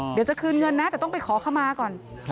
เดี๋ยวจะคืนเงินนะแต่ต้องไปขอขมาก่อน